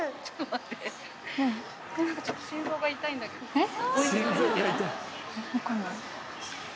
えっ？